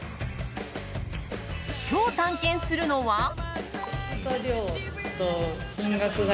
今日、探検するのは。